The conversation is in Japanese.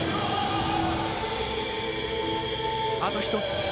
あと１つ。